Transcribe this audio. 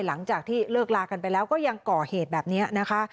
หลังจากที่เลิกลากันไปแล้วก็ยังก่อเหตุแบบนี้นะคะ